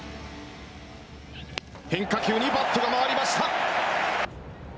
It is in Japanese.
変化球にバットが回りました。